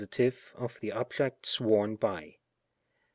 of the object sworn by.